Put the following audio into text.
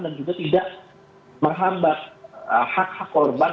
dan juga tidak menghambat hak hak korban